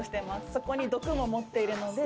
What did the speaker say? そこに毒も持っているので。